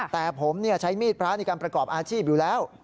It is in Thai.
แต่ผมใช้มีดพระในการประกอบอาชีพอยู่แล้ว